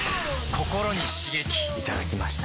ココロに刺激いただきました。